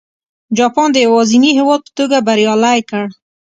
جاپان د یوازیني هېواد په توګه بریالی کړ.